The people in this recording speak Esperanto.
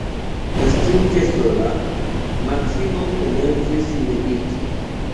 Restinte sola, Maksimo komencis mediti.